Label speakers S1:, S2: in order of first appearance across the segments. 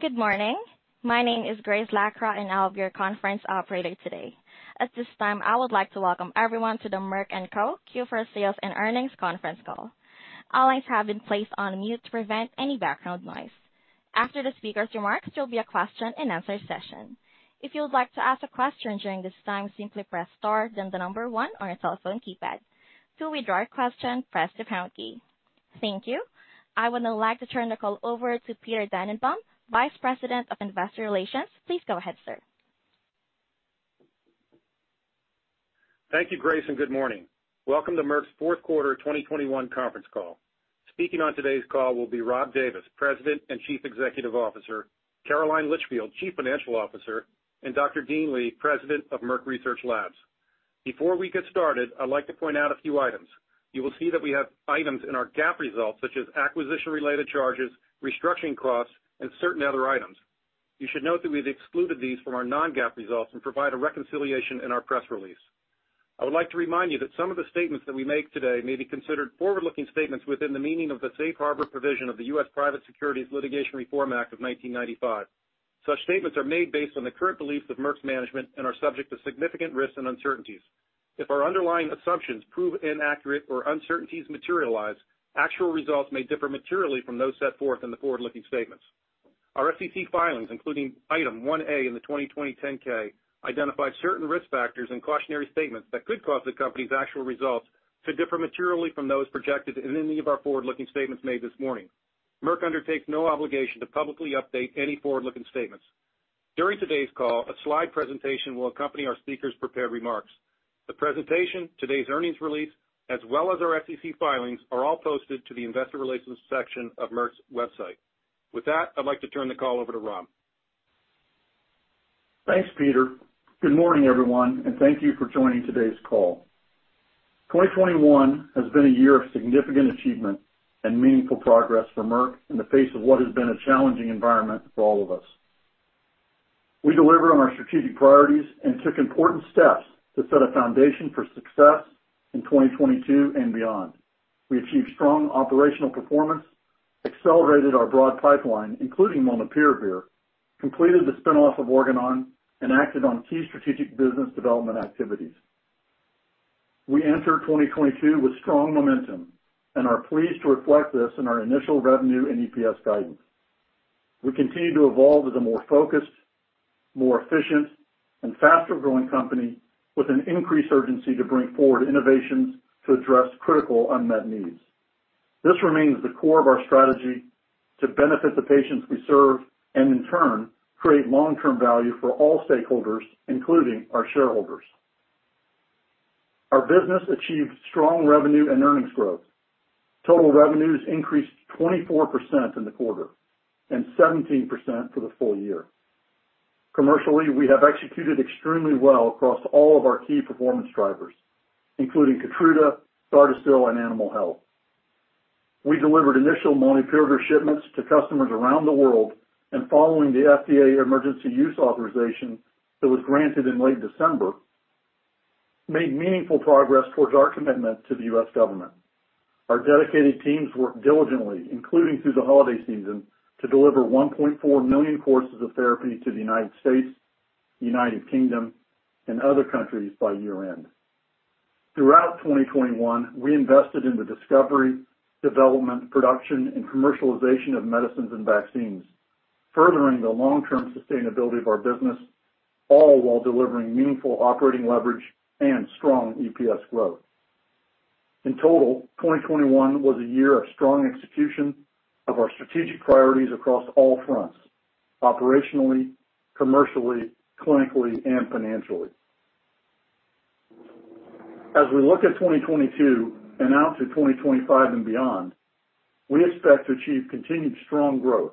S1: Good morning. My name is Grace Lacra, and I'll be your conference operator today. At this time, I would like to welcome everyone to the Merck & Co. Q4 Sales and Earnings Conference Call. All lines have been placed on mute to prevent any background noise. After the speaker's remarks, there'll be a question-and-answer session. If you would like to ask a question during this time, simply press star, then the number one on your telephone keypad. To withdraw your question, press the pound key. Thank you. I would now like to turn the call over to Peter Dannenbaum, Vice President of Investor Relations. Please go ahead, sir.
S2: Thank you, Grace, and good morning. Welcome to Merck's Q4 of 2021 conference call. Speaking on today's call will be Rob Davis, President and Chief Executive Officer, Caroline Litchfield, Chief Financial Officer, and Dr. Dean Li, President of Merck Research Laboratories. Before we get started, I'd like to point out a few items. You will see that we have items in our GAAP results, such as acquisition-related charges, restructuring costs, and certain other items. You should note that we've excluded these from our non-GAAP results and provide a reconciliation in our press release. I would like to remind you that some of the statements that we make today may be considered forward-looking statements within the meaning of the Safe Harbor provision of the U.S. Private Securities Litigation Reform Act of 1995. Such statements are made based on the current beliefs of Merck's management and are subject to significant risks and uncertainties. If our underlying assumptions prove inaccurate or uncertainties materialize, actual results may differ materially from those set forth in the forward-looking statements. Our SEC filings, including Item 1A in the 2020 10-K, identify certain risk factors and cautionary statements that could cause the company's actual results to differ materially from those projected in any of our forward-looking statements made this morning. Merck undertakes no obligation to publicly update any forward-looking statements. During today's call, a slide presentation will accompany our speakers' prepared remarks. The presentation, today's earnings release, as well as our SEC filings, are all posted to the investor relations section of Merck's website. With that, I'd like to turn the call over to Rob.
S3: Thanks, Peter. Good morning, everyone, and thank you for joining today's call. 2021 has been a year of significant achievement and meaningful progress for Merck in the face of what has been a challenging environment for all of us. We delivered on our strategic priorities and took important steps to set a foundation for success in 2022 and beyond. We achieved strong operational performance, accelerated our broad pipeline, including molnupiravir, completed the spin-off of Organon, and acted on key strategic business development activities. We enter 2022 with strong momentum and are pleased to reflect this in our initial revenue and EPS guidance. We continue to evolve as a more focused, more efficient, and faster-growing company with an increased urgency to bring forward innovations to address critical unmet needs. This remains the core of our strategy to benefit the patients we serve, and in turn, create long-term value for all stakeholders, including our shareholders. Our business achieved strong revenue and earnings growth. Total revenues increased 24% in the quarter and 17% for the full year. Commercially, we have executed extremely well across all of our key performance drivers, including KEYTRUDA, GARDASIL, and Animal Health. We delivered initial molnupiravir shipments to customers around the world, and following the FDA Emergency Use Authorization that was granted in late December, made meaningful progress towards our commitment to the U.S. government. Our dedicated teams worked diligently, including through the holiday season, to deliver 1.4 million courses of therapy to the United States, United Kingdom, and other countries by year-end. Throughout 2021, we invested in the discovery, development, production, and commercialization of medicines and vaccines, furthering the long-term sustainability of our business, all while delivering meaningful operating leverage and strong EPS growth. In total, 2021 was a year of strong execution of our strategic priorities across all fronts, operationally, commercially, clinically, and financially. As we look at 2022 and out to 2025 and beyond, we expect to achieve continued strong growth.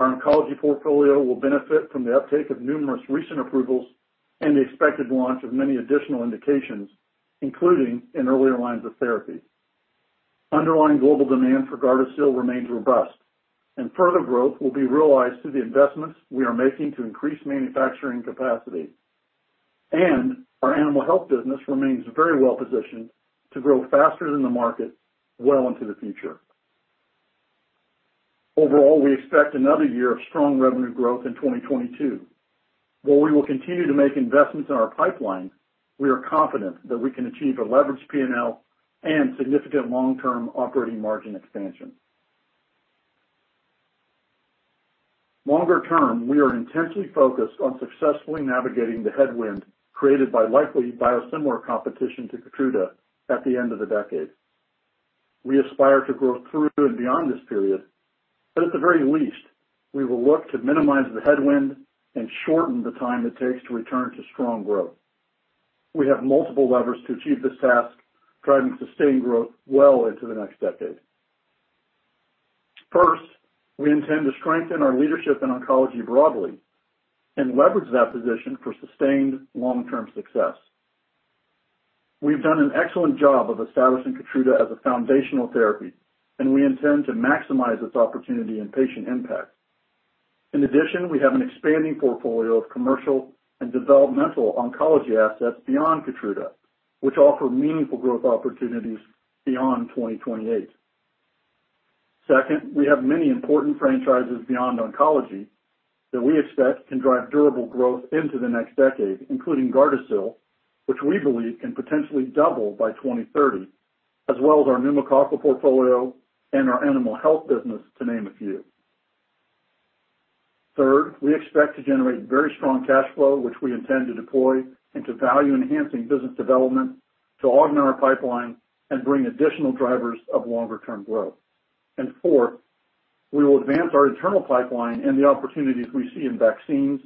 S3: Our oncology portfolio will benefit from the uptake of numerous recent approvals and the expected launch of many additional indications, including in earlier lines of therapy. Underlying global demand for GARDASIL remains robust and further growth will be realized through the investments we are making to increase manufacturing capacity. Our Animal Health business remains very well positioned to grow faster than the market well into the future. Overall, we expect another year of strong revenue growth in 2022. While we will continue to make investments in our pipeline, we are confident that we can achieve a leveraged P&L and significant long-term operating margin expansion. Longer term, we are intensely focused on successfully navigating the headwind created by likely biosimilar competition to KEYTRUDA at the end of the decade. We aspire to grow through and beyond this period, but at the very least, we will look to minimize the headwind and shorten the time it takes to return to strong growth. We have multiple levers to achieve this task, driving sustained growth well into the next decade. First, we intend to strengthen our leadership in oncology broadly and leverage that position for sustained long-term success. We've done an excellent job of establishing KEYTRUDA as a foundational therapy, and we intend to maximize its opportunity and patient impact. In addition, we have an expanding portfolio of commercial and developmental oncology assets beyond KEYTRUDA, which offer meaningful growth opportunities beyond 2028. Second, we have many important franchises beyond oncology that we expect can drive durable growth into the next decade, including GARDASIL, which we believe can potentially double by 2030, as well as our Pneumococcal portfolio and our animal health business, to name a few. Third, we expect to generate very strong cash flow, which we intend to deploy into value-enhancing business development to augment our pipeline and bring additional drivers of longer term growth. Four, we will advance our internal pipeline and the opportunities we see in vaccines,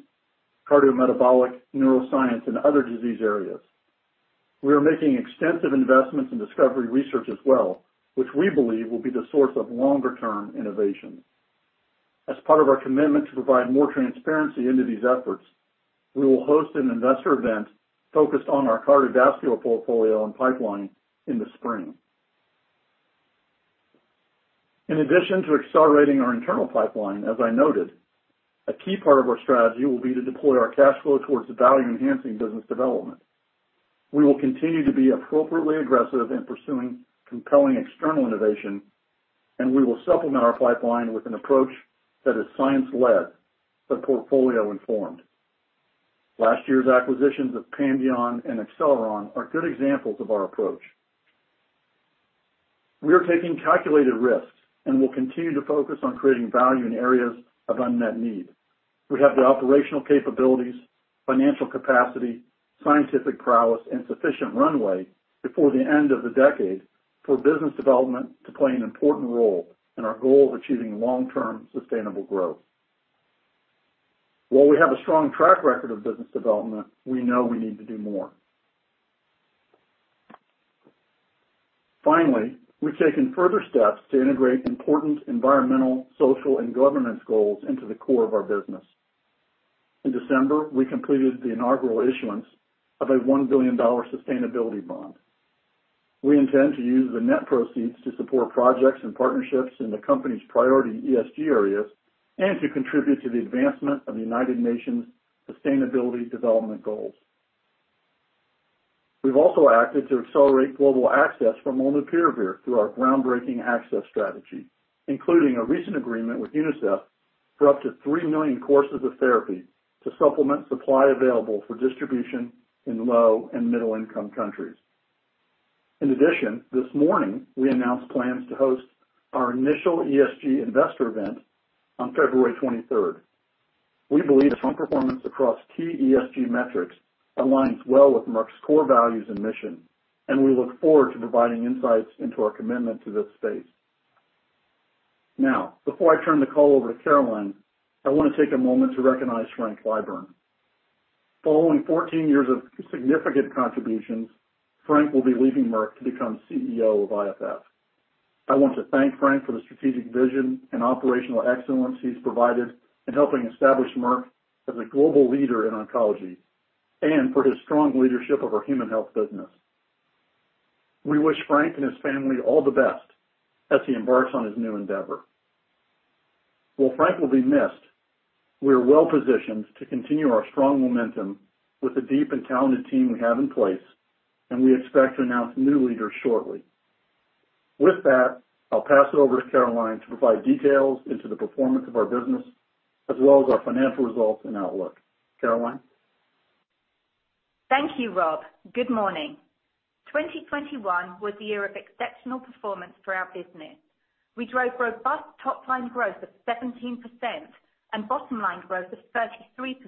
S3: cardiometabolic, neuroscience and other disease areas. We are making extensive investments in discovery research as well, which we believe will be the source of longer term innovation. As part of our commitment to provide more transparency into these efforts, we will host an investor event focused on our cardiovascular portfolio and pipeline in the spring. In addition to accelerating our internal pipeline, as I noted, a key part of our strategy will be to deploy our cash flow towards the value-enhancing business development. We will continue to be appropriately aggressive in pursuing compelling external innovation, and we will supplement our pipeline with an approach that is science-led but portfolio informed. Last year's acquisitions of Pandion and Acceleron are good examples of our approach. We are taking calculated risks and will continue to focus on creating value in areas of unmet need. We have the operational capabilities, financial capacity, scientific prowess, and sufficient runway before the end of the decade for business development to play an important role in our goal of achieving long-term sustainable growth. While we have a strong track record of business development, we know we need to do more. Finally, we've taken further steps to integrate important environmental, social and governance goals into the core of our business. In December, we completed the inaugural issuance of a $1 billion sustainability bond. We intend to use the net proceeds to support projects and partnerships in the company's priority ESG areas and to contribute to the advancement of the United Nations Sustainable Development Goals. We've also acted to accelerate global access for molnupiravir through our groundbreaking access strategy, including a recent agreement with UNICEF for up to 3 million courses of therapy to supplement supply available for distribution in low- and middle-income countries. In addition, this morning we announced plans to host our initial ESG investor event on February 23rd We believe its strong performance across key ESG metrics aligns well with Merck's core values and mission, and we look forward to providing insights into our commitment to this space. Now, before I turn the call over to Caroline, I wanna take a moment to recognize Frank Clyburn. Following 14 years of significant contributions, Frank will be leaving Merck to become CEO of IFF. I want to thank Frank for the strategic vision and operational excellence he's provided in helping establish Merck as a global leader in oncology, and for his strong leadership of our Human Health business. We wish Frank and his family all the best as he embarks on his new endeavor. While Frank will be missed, we are well-positioned to continue our strong momentum with the deep and talented team we have in place, and we expect to announce new leaders shortly. With that, I'll pass it over to Caroline to provide details into the performance of our business, as well as our financial results and outlook. Caroline?
S4: Thank you, Rob. Good morning. 2021 was the year of exceptional performance for our business. We drove robust top line growth of 17% and bottom line growth of 33%.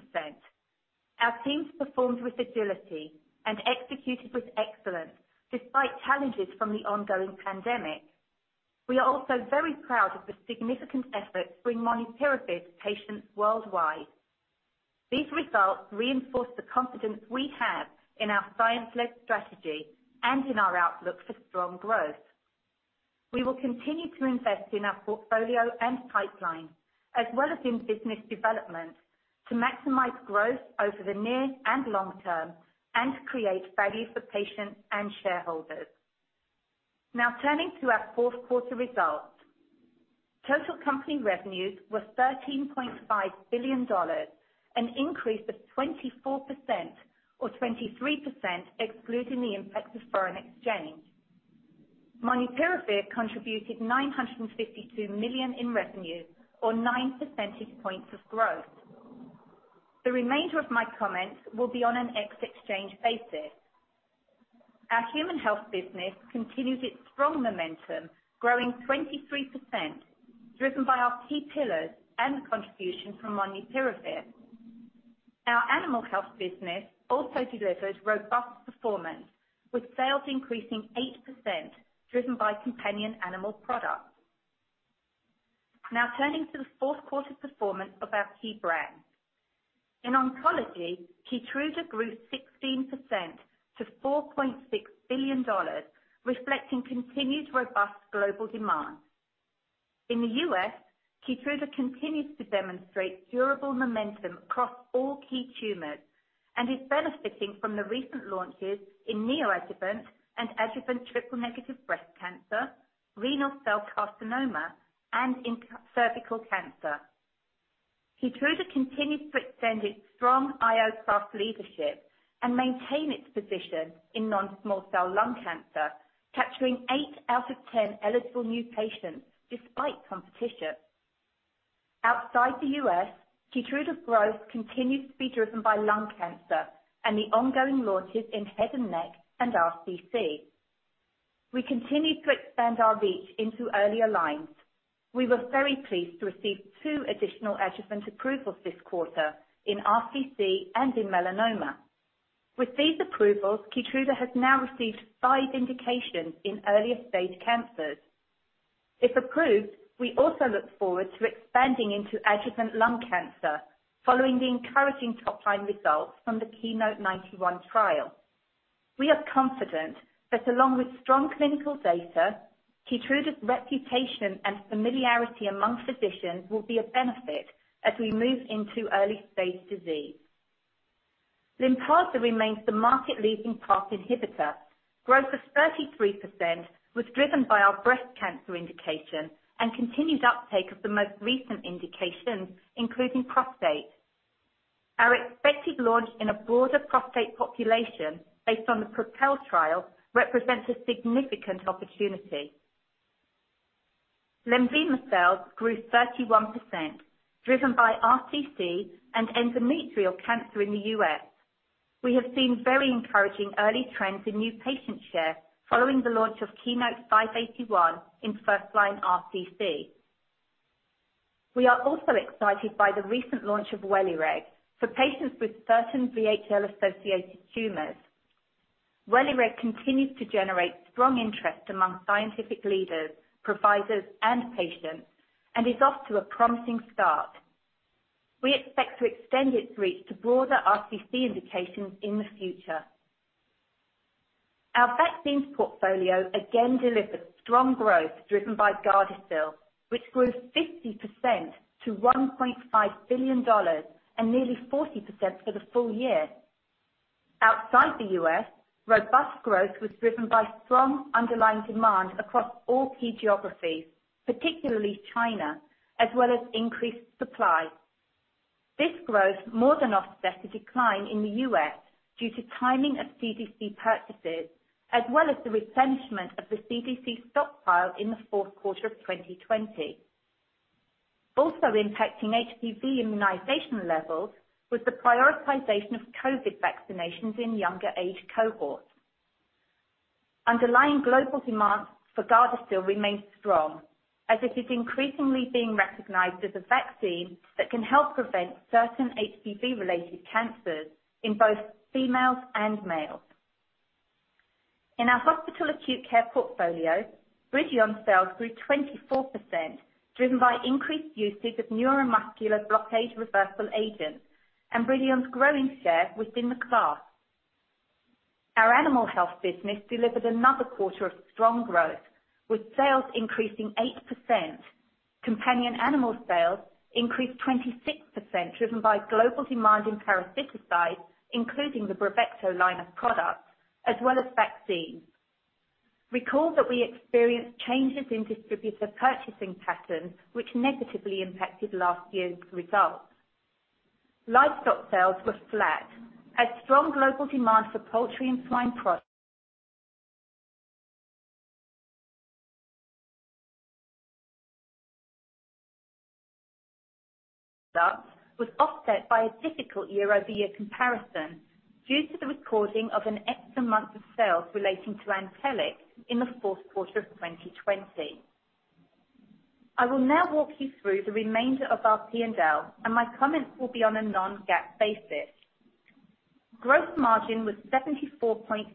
S4: Our teams performed with agility and executed with excellence despite challenges from the ongoing pandemic. We are also very proud of the significant efforts to bring molnupiravir to patients worldwide. These results reinforce the confidence we have in our science-led strategy and in our outlook for strong growth. We will continue to invest in our portfolio and pipeline, as well as in business development, to maximize growth over the near and long term and to create value for patients and shareholders. Now turning to our Q4 results. Total company revenues were $13.5 billion, an increase of 24% or 23% excluding the impact of foreign exchange. Molnupiravir contributed $952 million in revenue or 9 percentage points of growth. The remainder of my comments will be on an ex-Exchange basis. Our Human Health business continued its strong momentum, growing 23%, driven by our key pillars and the contribution from molnupiravir. Our Animal Health business also delivered robust performance, with sales increasing 8% driven by companion animal products. Now turning to the Q4 performance of our key brands. In oncology, KEYTRUDA grew 16% to $4.6 billion, reflecting continued robust global demand. In the U.S., KEYTRUDA continues to demonstrate durable momentum across all key tumors and is benefiting from the recent launches in neoadjuvant and adjuvant triple negative breast cancer, renal cell carcinoma, and in cervical cancer. KEYTRUDA continues to extend its strong IO class leadership and maintain its position in non-small cell lung cancer, capturing eight out of ten eligible new patients despite competition. Outside the U.S., KEYTRUDA's growth continues to be driven by lung cancer and the ongoing launches in head and neck and RCC. We continue to expand our reach into earlier lines. We were very pleased to receive two additional adjuvant approvals this quarter in RCC and in melanoma. With these approvals, KEYTRUDA has now received five indications in earlier-stage cancers. If approved, we also look forward to expanding into adjuvant lung cancer following the encouraging top-line results from the KEYNOTE-091 trial. We are confident that along with strong clinical data, KEYTRUDA's reputation and familiarity among physicians will be a benefit as we move into early-stage disease. Lynparza remains the market-leading PARP inhibitor. Growth of 33% was driven by our breast cancer indication and continued uptake of the most recent indications, including prostate. Our expected launch in a broader prostate population based on the PROpel trial represents a significant opportunity. LENVIMA sales grew 31%, driven by RCC and endometrial cancer in the U.S. We have seen very encouraging early trends in new patient share following the launch of KEYNOTE-581 in first-line RCC. We are also excited by the recent launch of WELIREG for patients with certain VHL-associated tumors. WELIREG continues to generate strong interest among scientific leaders, providers, and patients, and is off to a promising start. We expect to extend its reach to broader RCC indications in the future. Our vaccines portfolio again delivered strong growth driven by GARDASIL, which grew 50% to $1.5 billion and nearly 40% for the full year. Outside the U.S., robust growth was driven by strong underlying demand across all key geographies, particularly China, as well as increased supply. This growth more than offset a decline in the U.S. due to timing of CDC purchases, as well as the replenishment of the CDC stockpile in the Q4 of 2020. Also impacting HPV immunization levels was the prioritization of COVID vaccinations in younger age cohorts. Underlying global demand for GARDASIL remains strong as it is increasingly being recognized as a vaccine that can help prevent certain HPV-related cancers in both females and males. In our Hospital Acute Care portfolio, BRIDION sales grew 24%, driven by increased usage of neuromuscular blockade reversal agents and BRIDION's growing share within the class. Our Animal Health business delivered another quarter of strong growth, with sales increasing 8%. Companion animal sales increased 26%, driven by global demand in parasiticides, including the BRAVECTO line of products as well as vaccines. Recall that we experienced changes in distributor purchasing patterns which negatively impacted last year's results. Livestock sales were flat as strong global demand for poultry and swine was offset by a difficult year-over-year comparison due to the recording of an extra month of sales relating to Antelliq in the Q4 of 2020. I will now walk you through the remainder of our P&L, and my comments will be on a non-GAAP basis. Gross margin was 74.8%,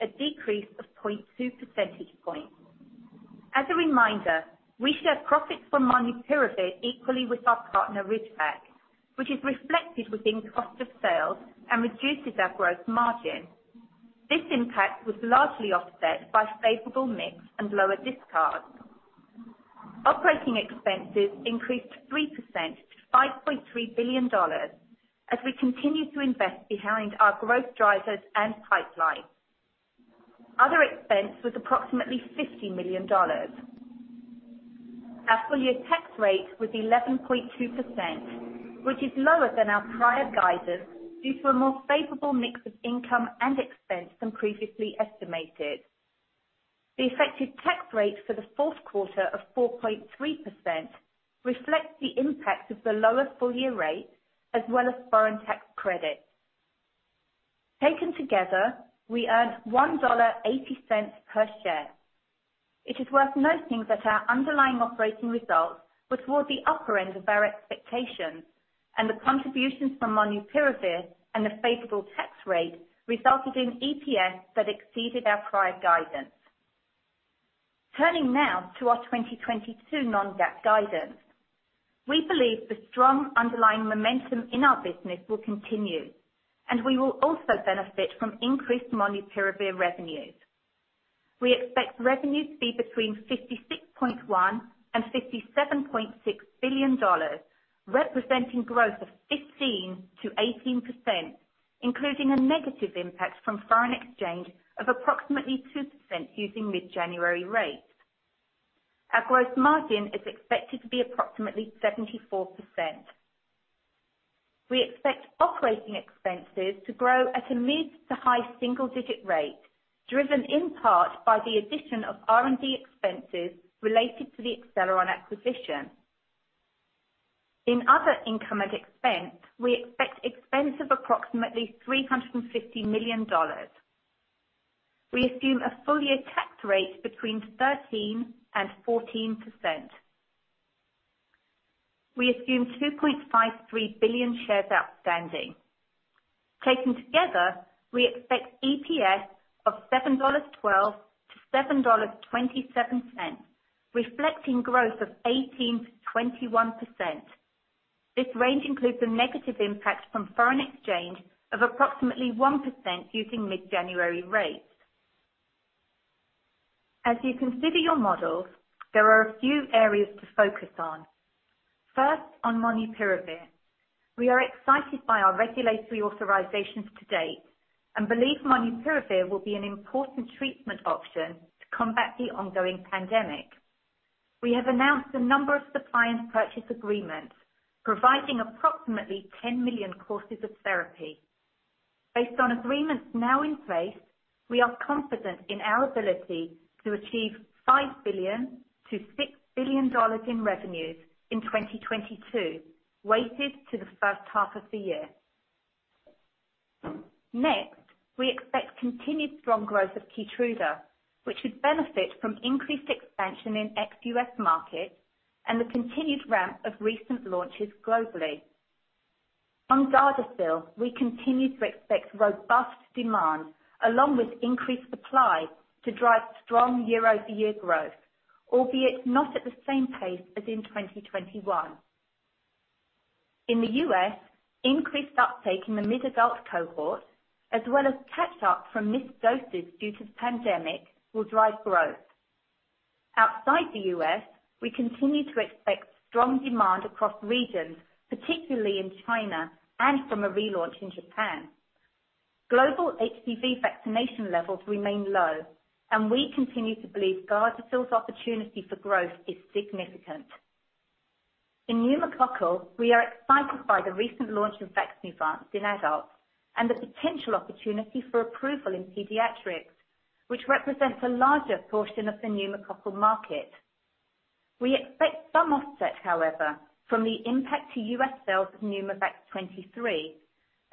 S4: a decrease of 0.2 percentage points. As a reminder, we share profits from molnupiravir equally with our partner, Ridgeback, which is reflected within cost of sales and reduces our gross margin. This impact was largely offset by favorable mix and lower discounts. Operating expenses increased 3% to $5.3 billion as we continue to invest behind our growth drivers and pipeline. Other expense was approximately $50 million. Our full-year tax rate was 11.2%, which is lower than our prior guidance due to a more favorable mix of income and expense than previously estimated. The effective tax rate for the Q4 of 4.3% reflects the impact of the lower full-year rate as well as foreign tax credits. Taken together, we earned $1.80 per share. It is worth noting that our underlying operating results were toward the upper end of our expectations, and the contributions from molnupiravir and the favorable tax rate resulted in EPS that exceeded our prior guidance. Turning now to our 2022 non-GAAP guidance. We believe the strong underlying momentum in our business will continue, and we will also benefit from increased molnupiravir revenues. We expect revenue to be between $56.1 billion-$57.6 billion, representing growth of 15%-18%. Including a negative impact from foreign exchange of approximately 2% using mid-January rates. Our gross margin is expected to be approximately 74%. We expect operating expenses to grow at a mid- to high-single-digit rate, driven in part by the addition of R&D expenses related to the Acceleron acquisition. In other income and expense, we expect expense of approximately $350 million. We assume a full-year tax rate between 13%-14%. We assume 2.53 billion shares outstanding. Taken together, we expect EPS of $7.12-$7.27, reflecting growth of 18%-21%. This range includes a negative impact from foreign exchange of approximately 1% using mid-January rates. As you consider your models, there are a few areas to focus on. First, on molnupiravir. We are excited by our regulatory authorizations to date and believe molnupiravir will be an important treatment option to combat the ongoing pandemic. We have announced a number of supply and purchase agreements, providing approximately 10 million courses of therapy. Based on agreements now in place, we are confident in our ability to achieve $5 billion-$6 billion in revenues in 2022, weighted to the H1 of the year. Next, we expect continued strong growth of KEYTRUDA, which should benefit from increased expansion in ex-U.S. markets and the continued ramp of recent launches globally. On GARDASIL, we continue to expect robust demand along with increased supply to drive strong year-over-year growth, albeit not at the same pace as in 2021. In the U.S., increased uptake in the mid-adult cohort, as well as catch-up from missed doses due to the pandemic, will drive growth. Outside the U.S., we continue to expect strong demand across regions, particularly in China and from a relaunch in Japan. Global HPV vaccination levels remain low, and we continue to believe GARDASIL's opportunity for growth is significant. In pneumococcal, we are excited by the recent launch of VAXNEUVANCE in adults and the potential opportunity for approval in pediatrics, which represents a larger portion of the pneumococcal market. We expect some offset, however, from the impact to U.S. sales of PNEUMOVAX 23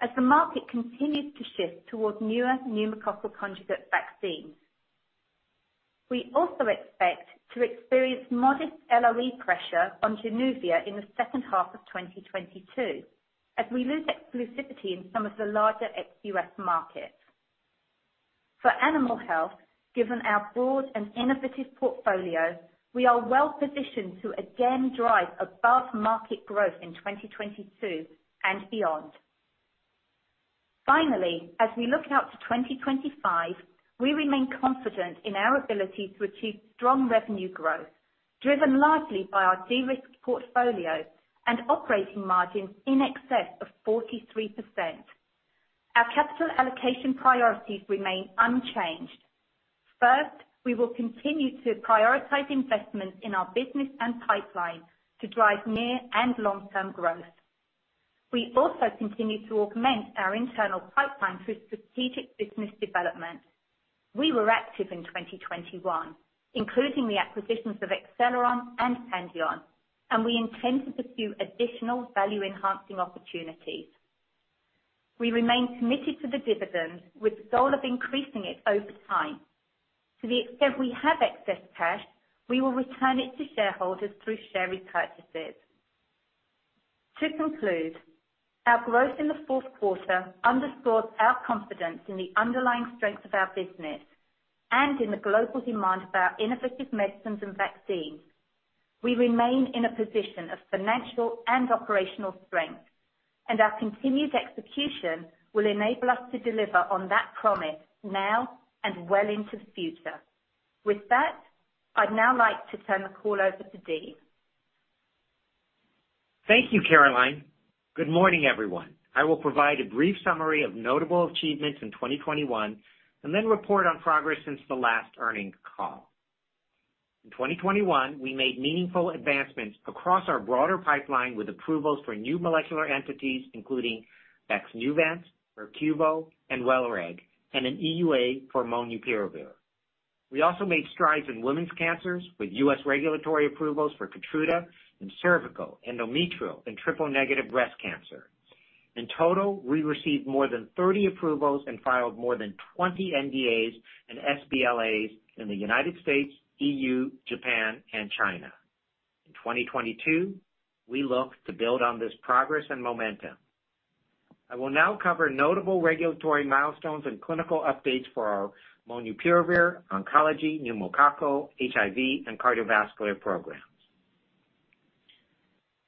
S4: as the market continues to shift towards newer pneumococcal conjugate vaccines. We also expect to experience modest LOE pressure on JANUVIA in the H2 of 2022 as we lose exclusivity in some of the larger ex-U.S. markets. For Animal Health, given our broad and innovative portfolio, we are well-positioned to again drive above-market growth in 2022 and beyond. Finally, as we look out to 2025, we remain confident in our ability to achieve strong revenue growth, driven largely by our de-risked portfolio and operating margins in excess of 43%. Our capital allocation priorities remain unchanged. First, we will continue to prioritize investment in our business and pipeline to drive near- and long-term growth. We also continue to augment our internal pipeline through strategic business development. We were active in 2021, including the acquisitions of Acceleron and Pandion, and we intend to pursue additional value-enhancing opportunities. We remain committed to the dividend, with the goal of increasing it over time. To the extent we have excess cash, we will return it to shareholders through share repurchases. To conclude, our growth in the Q4 underscores our confidence in the underlying strength of our business and in the global demand for our innovative medicines and vaccines. We remain in a position of financial and operational strength, and our continued execution will enable us to deliver on that promise now and well into the future. With that, I'd now like to turn the call over to Dean.
S5: Thank you, Caroline. Good morning, everyone. I will provide a brief summary of notable achievements in 2021 and then report on progress since the last earnings call. In 2021, we made meaningful advancements across our broader pipeline with approvals for new molecular entities, including VAXNEUVANCE, RECARBRIO, and WELIREG, and an EUA for molnupiravir. We also made strides in women's cancers with U.S. regulatory approvals for KEYTRUDA in cervical, endometrial, and triple-negative breast cancer. In total, we received more than 30 approvals and filed more than 20 NDAs and sBLAs in the U.S., EU, Japan, and China. In 2022, we look to build on this progress and momentum. I will now cover notable regulatory milestones and clinical updates for our molnupiravir, oncology, pneumococcal, HIV, and cardiovascular programs.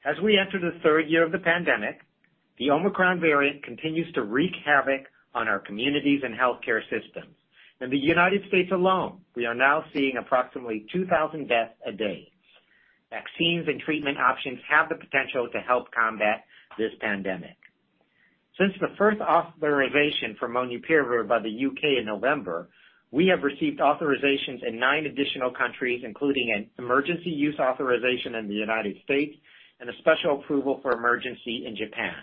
S5: As we enter the third year of the pandemic, the Omicron variant continues to wreak havoc on our communities and healthcare systems. In the United States alone, we are now seeing approximately 2,000 deaths a day. Vaccines and treatment options have the potential to help combat this pandemic. Since the first authorization for molnupiravir by the U.K. in November, we have received authorizations in nine additional countries, including an emergency use authorization in the United States and a special approval for emergency in Japan.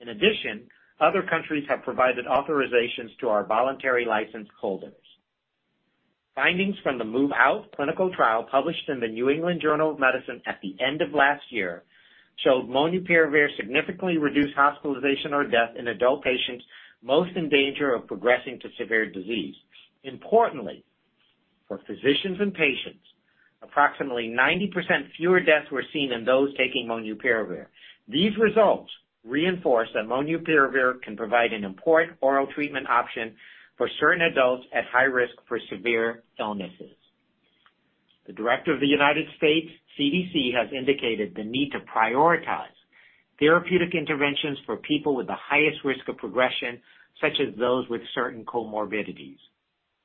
S5: In addition, other countries have provided authorizations to our voluntary license holders. Findings from the MOVE-OUT clinical trial, published in the New England Journal of Medicine at the end of last year, showed molnupiravir significantly reduced hospitalization or death in adult patients most in danger of progressing to severe disease. Importantly, for physicians and patients, approximately 90% fewer deaths were seen in those taking molnupiravir. These results reinforce that molnupiravir can provide an important oral treatment option for certain adults at high risk for severe illnesses. The director of the U.S. CDC has indicated the need to prioritize therapeutic interventions for people with the highest risk of progression, such as those with certain comorbidities.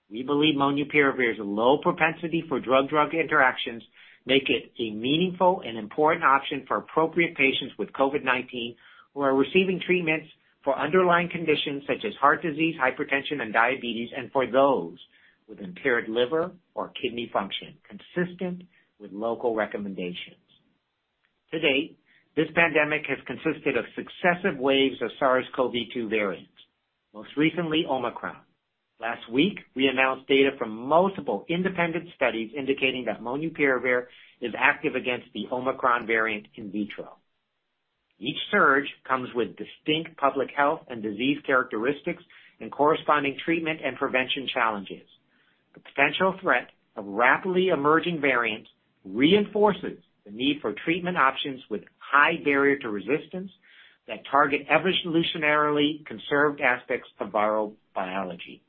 S5: We believe molnupiravir's low propensity for drug-drug interactions make it a meaningful and important option for appropriate patients with COVID-19 who are receiving treatments for underlying conditions such as heart disease, hypertension, and diabetes, and for those with impaired liver or kidney function, consistent with local recommendations. To date, this pandemic has consisted of successive waves of SARS-CoV-2 variants, most recently Omicron. Last week, we announced data from multiple independent studies indicating that molnupiravir is active against the Omicron variant in vitro. Each surge comes with distinct public health and disease characteristics and corresponding treatment and prevention challenges. The potential threat of rapidly emerging variants reinforces the need for treatment options with high barrier to resistance that target evolutionarily conserved aspects of viral biology.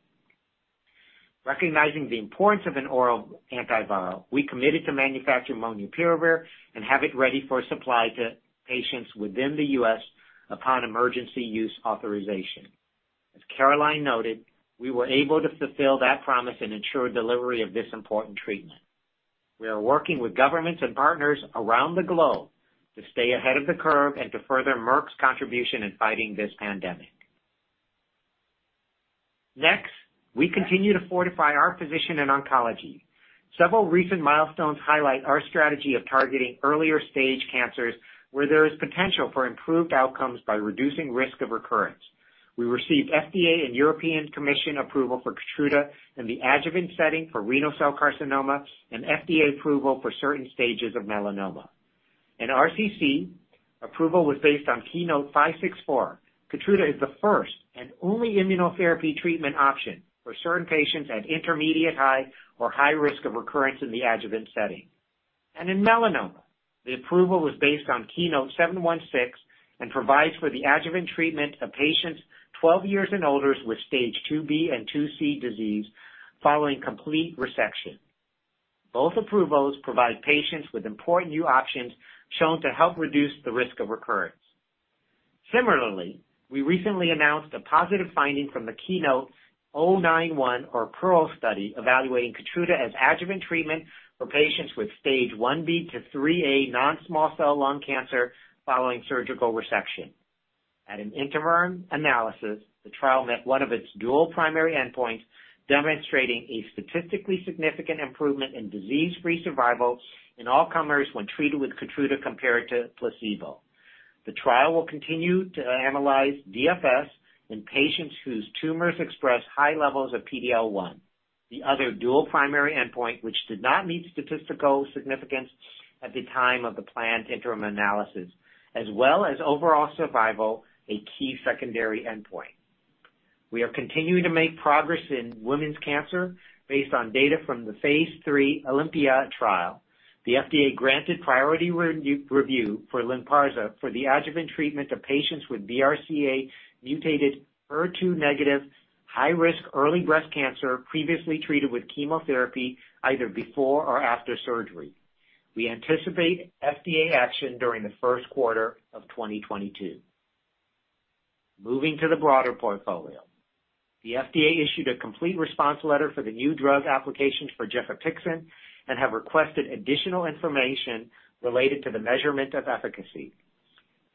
S5: Recognizing the importance of an oral antiviral, we committed to manufacture molnupiravir and have it ready for supply to patients within the U.S. upon emergency use authorization. As Caroline noted, we were able to fulfill that promise and ensure delivery of this important treatment. We are working with governments and partners around the globe to stay ahead of the curve and to further Merck's contribution in fighting this pandemic. Next, we continue to fortify our position in oncology. Several recent milestones highlight our strategy of targeting earlier stage cancers where there is potential for improved outcomes by reducing risk of recurrence. We received FDA and European Commission approval for KEYTRUDA in the adjuvant setting for renal cell carcinoma and FDA approval for certain stages of melanoma. In RCC, approval was based on KEYNOTE-564. KEYTRUDA is the first and only immunotherapy treatment option for certain patients at intermediate-high or high risk of recurrence in the adjuvant setting. In melanoma, the approval was based on KEYNOTE-716 and provides for the adjuvant treatment of patients 12 years and older with stage 2B and 2C disease following complete resection. Both approvals provide patients with important new options shown to help reduce the risk of recurrence. Similarly, we recently announced a positive finding from the KEYNOTE-091 or PEARLS study evaluating KEYTRUDA as adjuvant treatment for patients with stage 1B to 3A non-small cell lung cancer following surgical resection. At an interim analysis, the trial met one of its dual primary endpoints, demonstrating a statistically significant improvement in disease-free survival in all comers when treated with KEYTRUDA compared to placebo. The trial will continue to analyze DFS in patients whose tumors express high levels of PD-L1, the other dual primary endpoint, which did not meet statistical significance at the time of the planned interim analysis, as well as overall survival, a key secondary endpoint. We are continuing to make progress in women's cancer based on data from the phase III OlympiA trial. The FDA granted priority re-review for Lynparza for the adjuvant treatment of patients with BRCA-mutated, HER2 negative, high risk early breast cancer previously treated with chemotherapy either before or after surgery. We anticipate FDA action during the Q1 of 2022. Moving to the broader portfolio. The FDA issued a complete response letter for the new drug applications for gefapixant and have requested additional information related to the measurement of efficacy.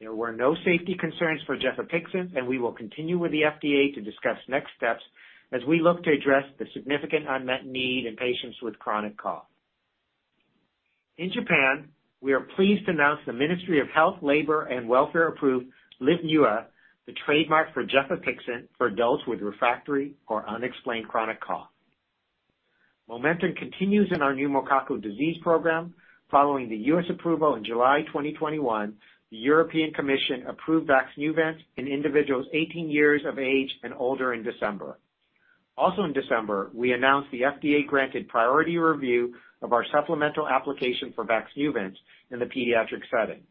S5: There were no safety concerns for gefapixant, and we will continue with the FDA to discuss next steps as we look to address the significant unmet need in patients with chronic cough. In Japan, we are pleased to announce the Ministry of Health, Labour and Welfare-approved LYFNUA, the trademark for gefapixant for adults with refractory or unexplained chronic cough. Momentum continues in our pneumococcal disease program. Following the U.S. approval in July 2021, the European Commission approved VAXNEUVANCE in individuals 18 years of age and older in December. Also in December, we announced the FDA-granted priority review of our supplemental application for VAXNEUVANCE in the pediatric setting.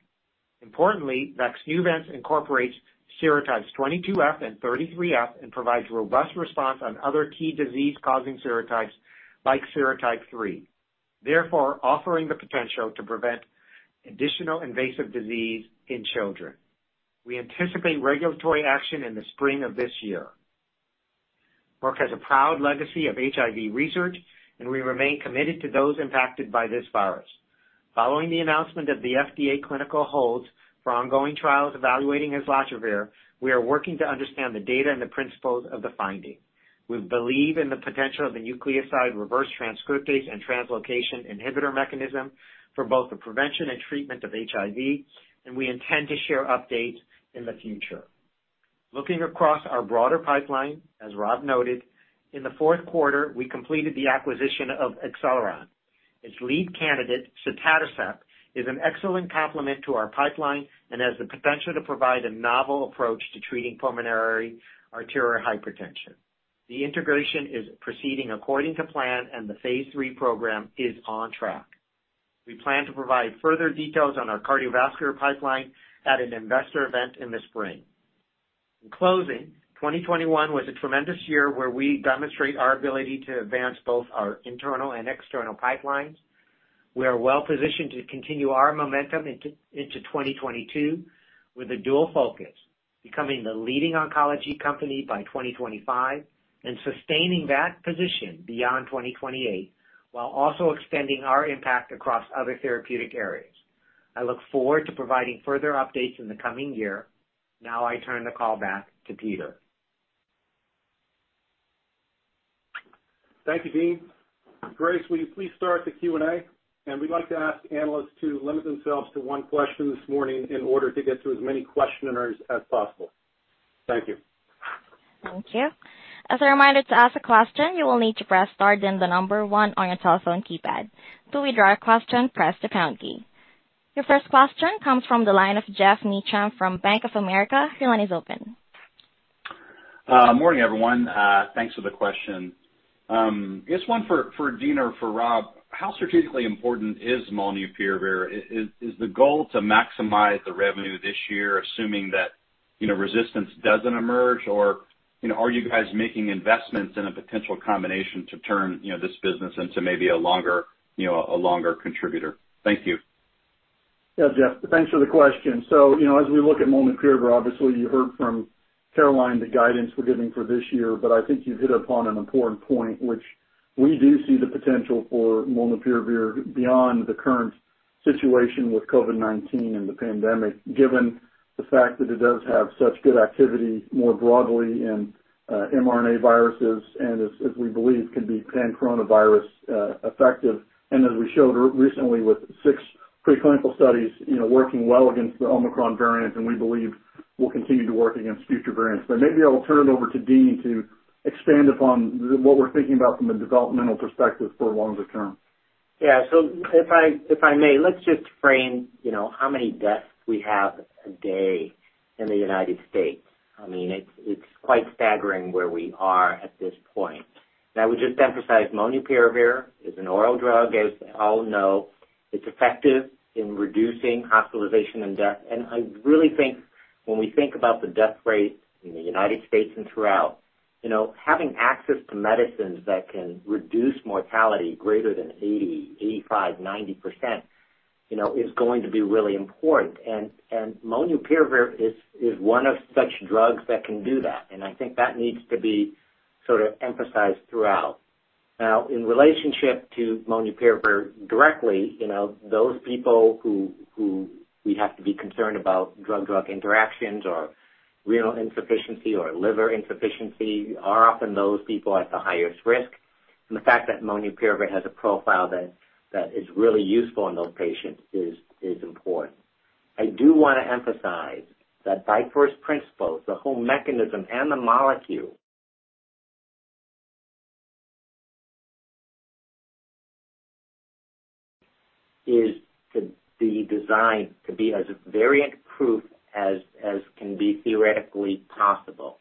S5: Importantly, VAXNEUVANCE incorporates serotypes 22F and 33F and provides robust response on other key disease-causing serotypes like serotype 3, therefore offering the potential to prevent additional invasive disease in children. We anticipate regulatory action in the spring of this year. Merck has a proud legacy of HIV research, and we remain committed to those impacted by this virus. Following the announcement of the FDA clinical hold for ongoing trials evaluating islatravir, we are working to understand the data and the principles of the finding. We believe in the potential of the nucleoside reverse transcriptase translocation inhibitor mechanism for both the prevention and treatment of HIV, and we intend to share updates in the future. Looking across our broader pipeline, as Rob noted, in the Q4, we completed the acquisition of Acceleron. Its lead candidate, sotatercept, is an excellent complement to our pipeline and has the potential to provide a novel approach to treating pulmonary arterial hypertension. The integration is proceeding according to plan, and the phase III program is on track. We plan to provide further details on our cardiovascular pipeline at an investor event in the spring. In closing, 2021 was a tremendous year where we demonstrate our ability to advance both our internal and external pipelines. We are well positioned to continue our momentum into 2022 with a dual focus, becoming the leading oncology company by 2025 and sustaining that position beyond 2028, while also extending our impact across other therapeutic areas. I look forward to providing further updates in the coming year. Now I turn the call back to Peter.
S2: Thank you, Dean. Grace, will you please start the Q&A? We'd like to ask analysts to limit themselves to one question this morning in order to get through as many questioners as possible. Thank you.
S1: Thank you. As a reminder to ask a question, you will need to press star then the number one on your telephone keypad. To withdraw your question, press the pound key. Your first question comes from the line of Geoff Meacham from Bank of America. Your line is open.
S6: Morning, everyone. Thanks for the question. This is one for Dean or for Rob. How strategically important is molnupiravir? Is the goal to maximize the revenue this year, assuming that, you know, resistance doesn't emerge? Or, you know, are you guys making investments in a potential combination to turn, you know, this business into maybe a longer, you know, a longer contributor? Thank you.
S3: Yeah, Geoff, thanks for the question. You know, as we look at molnupiravir, obviously you heard from Caroline the guidance we're giving for this year, but I think you've hit upon an important point, which we do see the potential for molnupiravir beyond the current situation with COVID-19 and the pandemic, given the fact that it does have such good activity more broadly in mRNA viruses and as we believe can be pan-coronavirus effective. As we showed recently with six preclinical studies, you know, working well against the Omicron variant, and we believe will continue to work against future variants. Maybe I'll turn it over to Dean to expand upon what we're thinking about from a developmental perspective for longer term.
S5: Yeah. If I may, let's just frame, you know, how many deaths we have a day in the United States. I mean, it's quite staggering where we are at this point. Now, I would just emphasize molnupiravir is an oral drug, as all know. It's effective in reducing hospitalization and death. I really think when we think about the death rate in the United States and throughout, you know, having access to medicines that can reduce mortality greater than 80, 85, 90%, you know, is going to be really important. Molnupiravir is one of such drugs that can do that. I think that needs to be sort of emphasized throughout. Now, in relationship to molnupiravir directly, you know, those people who we have to be concerned about drug-drug interactions or renal insufficiency or liver insufficiency are often those people at the highest risk. The fact that molnupiravir has a profile that is really useful in those patients is important. I do want to emphasize that by first principle, the whole mechanism and the molecule is to be designed to be as variant proof as can be theoretically possible.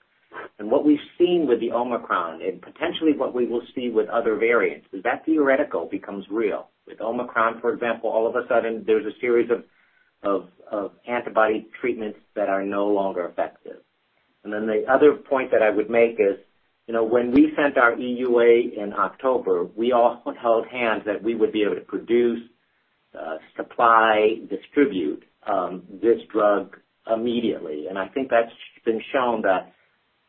S5: What we've seen with the Omicron, and potentially what we will see with other variants, is that theoretical becomes real. With Omicron, for example, all of a sudden there's a series of antibody treatments that are no longer effective. The other point that I would make is, you know, when we sent our EUA in October, we all held hands that we would be able to produce, supply, distribute, this drug immediately. I think that's been shown that,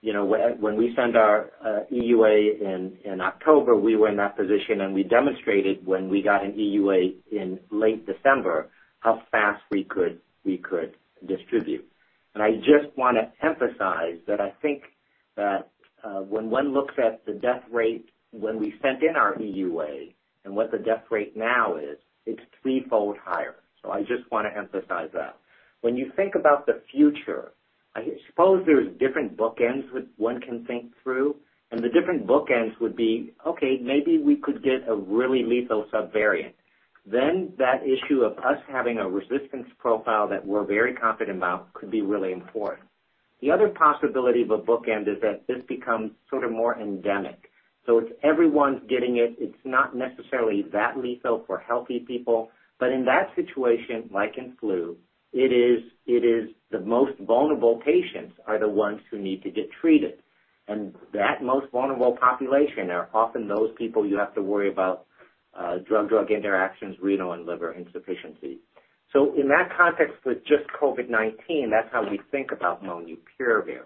S5: you know, when we sent our EUA in October, we were in that position and we demonstrated when we got an EUA in late December how fast we could distribute. I just want to emphasize that I think that, when one looks at the death rate when we sent in our EUA and what the death rate now is, it's threefold higher. I just want to emphasize that. When you think about the future, I suppose there's different bookends that one can think through, and the different bookends would be, okay, maybe we could get a really lethal subvariant. That issue of us having a resistance profile that we're very confident about could be really important. The other possibility of a bookend is that this becomes sort of more endemic. It's everyone's getting it. It's not necessarily that lethal for healthy people. In that situation, like in flu, it is the most vulnerable patients are the ones who need to get treated. That most vulnerable population are often those people you have to worry about, drug-drug interactions, renal and liver insufficiency. In that context with just COVID-19, that's how we think about molnupiravir.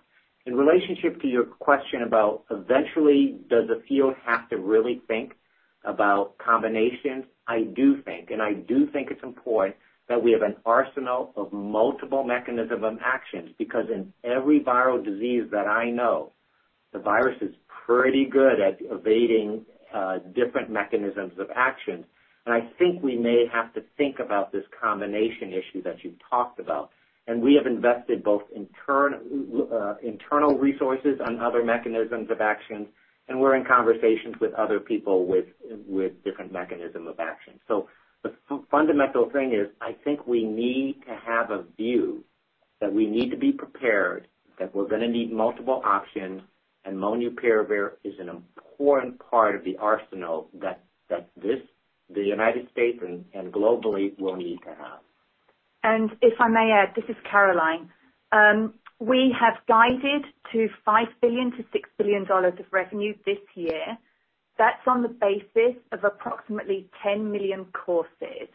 S5: In relationship to your question about eventually does the field have to really think about combinations, I do think it's important that we have an arsenal of multiple mechanism of actions, because in every viral disease that I know, the virus is pretty good at evading different mechanisms of action. I think we may have to think about this combination issue that you've talked about. We have invested both internal resources on other mechanisms of actions, and we're in conversations with other people with different mechanism of action. The fundamental thing is I think we need to have a view that we need to be prepared, that we're gonna need multiple options, and molnupiravir is an important part of the arsenal that this, the United States and globally will need to have.
S4: If I may add, this is Caroline. We have guided to $5 billion-$6 billion of revenue this year. That's on the basis of approximately 10 million courses.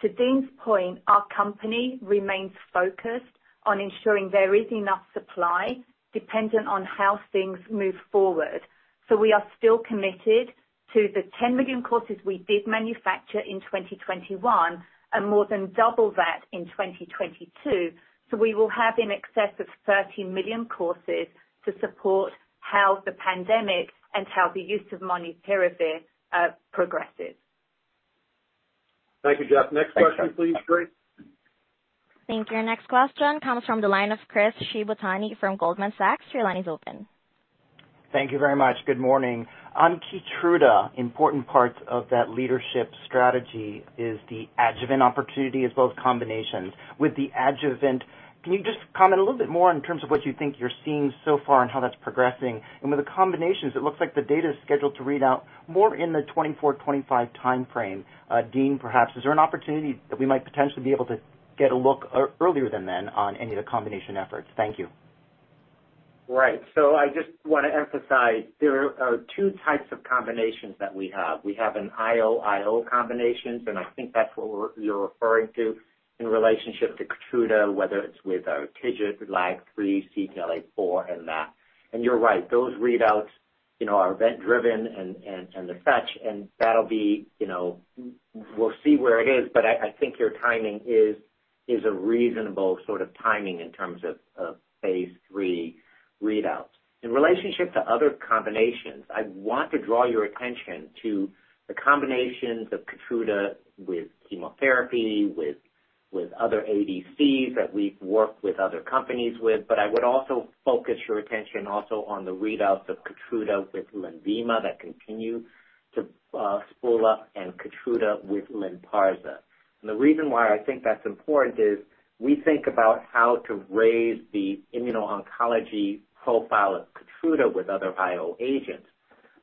S4: To Dean's point, our company remains focused on ensuring there is enough supply dependent on how things move forward. We are still committed to the 10 million courses we did manufacture in 2021 and more than double that in 2022. We will have in excess of 30 million courses to support how the pandemic and how the use of molnupiravir progresses.
S3: Thank you, Geoff. Next question, please, Grace.
S1: Thank you. Our next question comes from the line of Chris Shibutani from Goldman Sachs. Your line is open.
S7: Thank you very much. Good morning. On KEYTRUDA, important parts of that leadership strategy is the adjuvant opportunity as well as combinations. With the adjuvant, can you just comment a little bit more in terms of what you think you're seeing so far and how that's progressing? With the combinations, it looks like the data is scheduled to read out more in the 2024, 2025 timeframe. Dean, perhaps, is there an opportunity that we might potentially be able to get a look earlier than on any of the combination efforts? Thank you.
S5: Right. I just wanna emphasize there are two types of combinations that we have. We have an IO/IO combinations, and I think that's what you're referring to in relationship to KEYTRUDA, whether it's with TIGIT, LAG-3, CTLA-4, and that. You're right. Those readouts, you know, are event driven, and that'll be, you know. We'll see where it is, but I think your timing is a reasonable sort of timing in terms of phase III readouts. In relationship to other combinations, I want to draw your attention to the combinations of KEYTRUDA with chemotherapy, with other ADCs that we've worked with other companies with. I would also focus your attention also on the readouts of KEYTRUDA with LENVIMA that continue to spool up and KEYTRUDA with Lynparza. The reason why I think that's important is we think about how to raise the immuno-oncology profile of KEYTRUDA with other IO agents.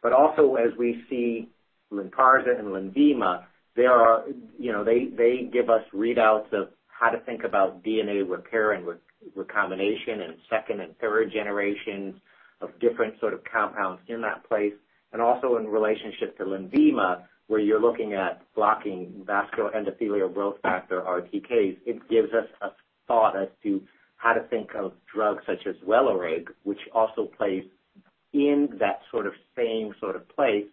S5: But also, as we see Lynparza and LENVIMA, they are, you know, they give us readouts of how to think about DNA repair and recombination and second and third generations of different sort of compounds in that place. Also in relationship to LENVIMA, where you're looking at blocking vascular endothelial growth factor RTKs, it gives us a thought as to how to think of drugs such as WELIREG, which also plays in that sort of same sort of place.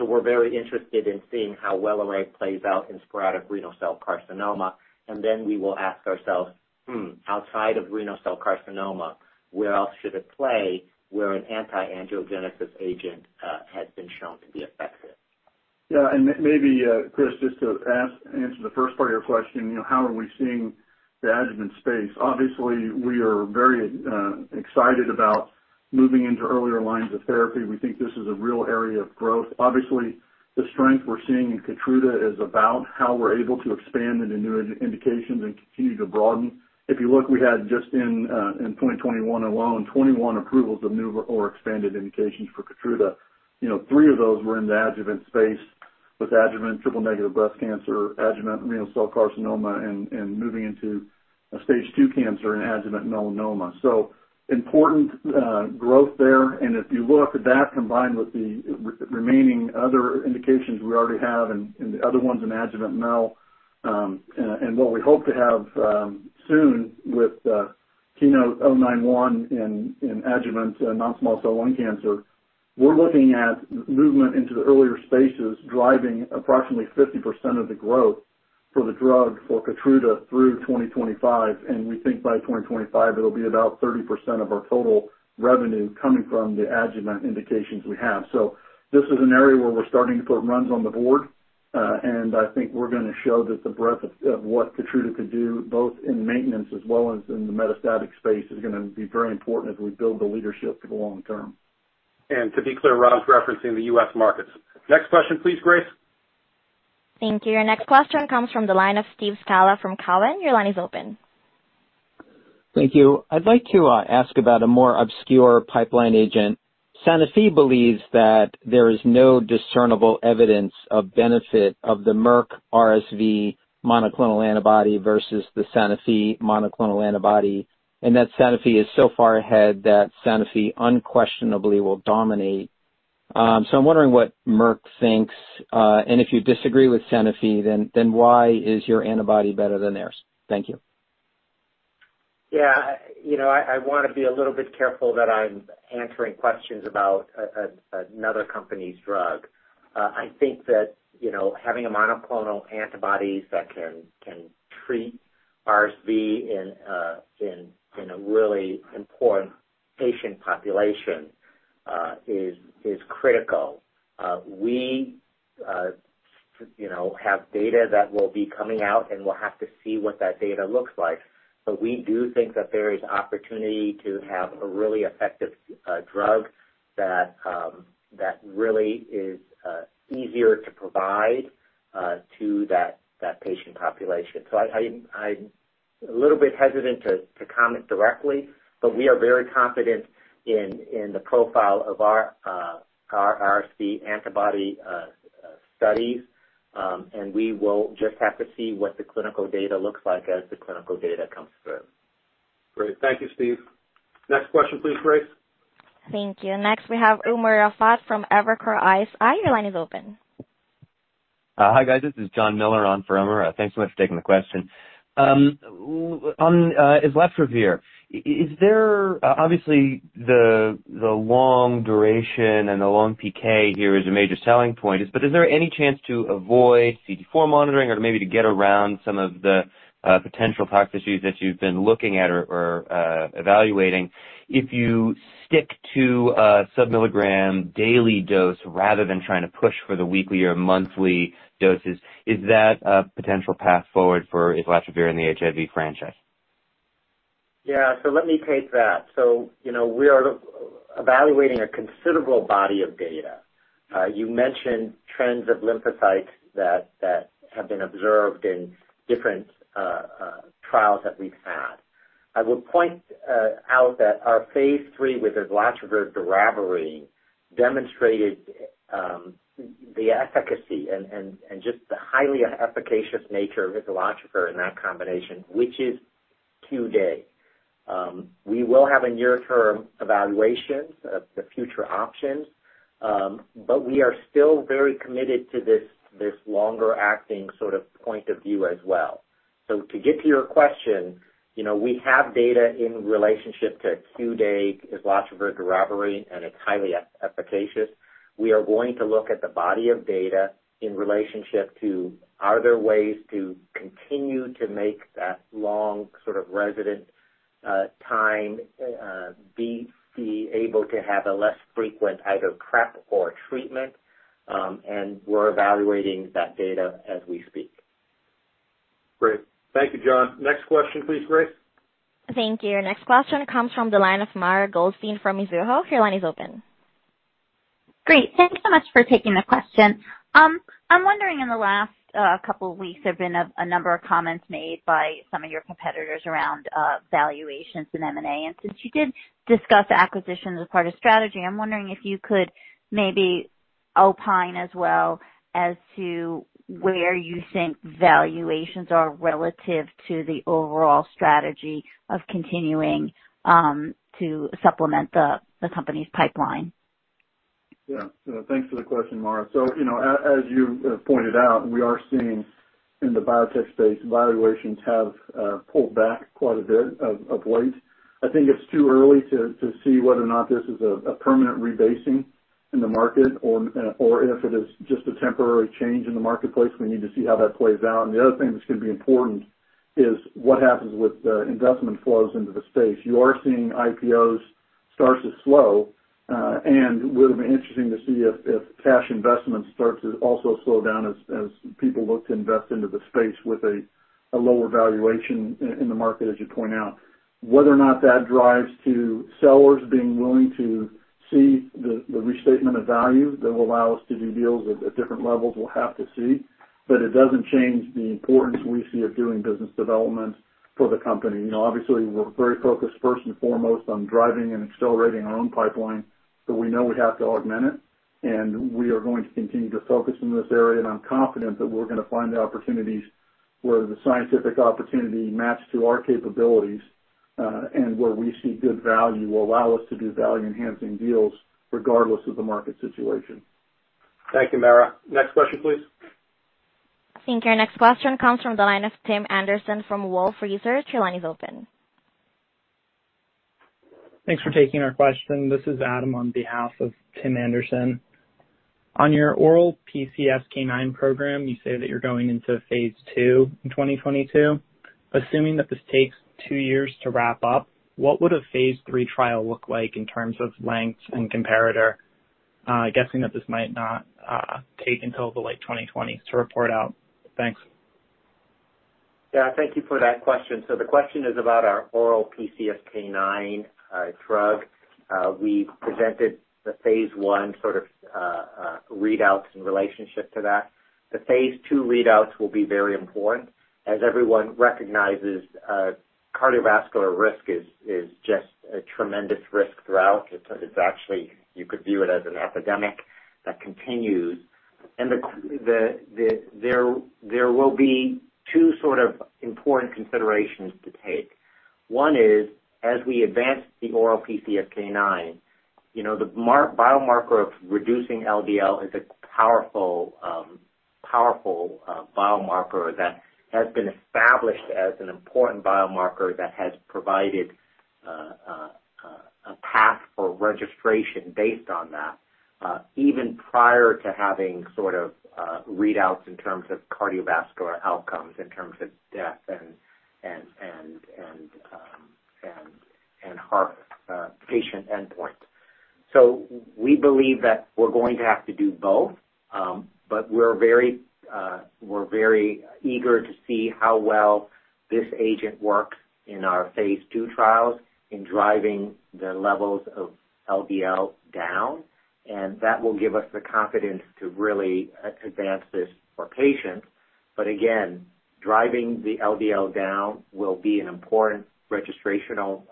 S5: We're very interested in seeing how WELIREG plays out in sporadic renal cell carcinoma. Then we will ask ourselves, "Hmm, outside of renal cell carcinoma, where else should it play where an anti-angiogenesis agent has been shown to be effective?
S3: Yeah, maybe, Chris, just to answer the first part of your question, you know, how are we seeing the adjuvant space? Obviously, we are very excited about moving into earlier lines of therapy. We think this is a real area of growth. Obviously, the strength we're seeing in KEYTRUDA is about how we're able to expand into new indications and continue to broaden. If you look, we had just in 2021 alone, 21 approvals of new or expanded indications for KEYTRUDA. You know, three of those were in the adjuvant space, with adjuvant triple-negative breast cancer, adjuvant renal cell carcinoma, and moving into a stage two cancer in adjuvant melanoma. Important growth there. If you look at that combined with the remaining other indications we already have and the other ones in adjuvant melanoma and what we hope to have soon with KEYNOTE-091 in adjuvant non-small cell lung cancer, we're looking at movement into the earlier spaces driving approximately 50% of the growth for the drug for KEYTRUDA through 2025. We think by 2025, it'll be about 30% of our total revenue coming from the adjuvant indications we have. This is an area where we're starting to put runs on the board and I think we're gonna show that the breadth of what KEYTRUDA could do, both in maintenance as well as in the metastatic space, is gonna be very important as we build the leadership for the long term. To be clear, Rob's referencing the U.S. markets. Next question, please, Grace.
S1: Thank you. Our next question comes from the line of Steve Scala from Cowen. Your line is open.
S8: Thank you. I'd like to ask about a more obscure pipeline agent. Sanofi believes that there is no discernible evidence of benefit of the Merck RSV monoclonal antibody versus the Sanofi monoclonal antibody, and that Sanofi is so far ahead that Sanofi unquestionably will dominate. I'm wondering what Merck thinks. If you disagree with Sanofi, then why is your antibody better than theirs? Thank you.
S5: Yeah. You know, I wanna be a little bit careful that I'm answering questions about another company's drug. I think that, you know, having a monoclonal antibodies that can treat RSV in a really important patient population is critical. We, you know, have data that will be coming out, and we'll have to see what that data looks like. But we do think that there is opportunity to have a really effective drug that really is easier to provide to that patient population. I'm a little bit hesitant to comment directly, but we are very confident in the profile of our RSV antibody studies. We will just have to see what the clinical data looks like as the clinical data comes through.
S3: Great. Thank you, Steve. Next question, please, Grace.
S1: Thank you. Next, we have Umer Raffat from Evercore ISI. Your line is open.
S9: Hi, guys. This is Jonathan Miller on for Umer Raffat. Thanks so much for taking the question. On islatravir. Is there obviously the long duration and the long PK here is a major selling point. But is there any chance to avoid CD4 monitoring or maybe to get around some of the potential toxicities that you've been looking at or evaluating if you stick to a submilligram daily dose rather than trying to push for the weekly or monthly doses? Is that a potential path forward for islatravir in the HIV franchise?
S5: Yeah. Let me take that. You know, we are evaluating a considerable body of data. You mentioned trends of lymphocytes that have been observed in different trials that we've had. I would point out that our phase III with islatravir, doravirine demonstrated the efficacy and just the highly efficacious nature of islatravir in that combination, which is QD. We will have a near-term evaluation of the future options, but we are still very committed to this longer acting sort of point of view as well. To get to your question, you know, we have data in relationship to QD islatravir, doravirine, and it's highly efficacious. We are going to look at the body of data in relationship to, are there ways to continue to make that long sort of resident time be able to have a less frequent either PrEP or treatment, and we're evaluating that data as we speak.
S3: Great. Thank you, John. Next question, please, Grace.
S1: Thank you. Our next question comes from the line of Mara Goldstein from Mizuho. Your line is open.
S10: Great. Thank you so much for taking the question. I'm wondering in the last couple weeks, there have been a number of comments made by some of your competitors around valuations and M&A. Since you did discuss acquisitions as part of strategy, I'm wondering if you could maybe opine as well as to where you think valuations are relative to the overall strategy of continuing to supplement the company's pipeline.
S3: Thanks for the question, Mara. You know, as you pointed out, we are seeing in the biotech space, valuations have pulled back quite a bit of late. I think it's too early to see whether or not this is a permanent rebasing in the market or if it is just a temporary change in the marketplace. We need to see how that plays out. The other thing that's gonna be important is what happens with investment flows into the space. You are seeing IPOs start to slow, and it will be interesting to see if cash investment starts to also slow down as people look to invest into the space with a lower valuation in the market, as you point out. Whether or not that drives to sellers being willing to see the restatement of value that will allow us to do deals at different levels, we'll have to see. It doesn't change the importance we see of doing business development for the company. You know, obviously we're very focused first and foremost on driving and accelerating our own pipeline, but we know we have to augment it and we are going to continue to focus in this area, and I'm confident that we're gonna find the opportunities where the scientific opportunity match to our capabilities, and where we see good value will allow us to do value-enhancing deals regardless of the market situation. Thank you, Mara. Next question, please.
S1: I think our next question comes from the line of Tim Anderson from Wolfe Research. Your line is open.
S11: Thanks for taking our question. This is Adam on behalf of Tim Anderson. On your oral PCSK9 program, you say that you're going into phase II in 2022. Assuming that this takes two years to wrap up, what would a phase III trial look like in terms of length and comparator? Guessing that this might not take until the late 2020s to report out. Thanks.
S5: Yeah. Thank you for that question. The question is about our oral PCSK9 drug. We presented the phase I sort of readouts in relationship to that. The phase II readouts will be very important. As everyone recognizes, cardiovascular risk is just a tremendous risk throughout. It's actually you could view it as an epidemic that continues. There will be two sort of important considerations to take. One is as we advance the oral PCSK9, you know, the major biomarker of reducing LDL is a powerful biomarker that has been established as an important biomarker that has provided a path for registration based on that, even prior to having sort of readouts in terms of cardiovascular outcomes, in terms of death and hard patient endpoint. We believe that we're going to have to do both, but we're very eager to see how well this agent works in our phase II trials in driving the levels of LDL down, and that will give us the confidence to really advance this for patients. Again, driving the LDL down will be an important registrational